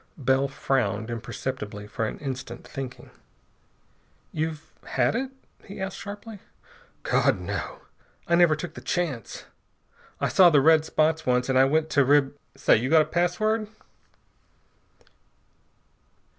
Bell frowned imperceptibly for an instant, thinking. "You've had it?" he asked sharply. "God, no! I never took the chance! I saw the red spots once, and I went to Rib Say! You got a password?"